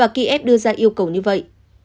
và kiev đưa ra yêu cầu như vậy